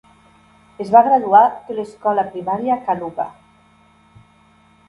Es va graduar de l'escola primària a Kaluga.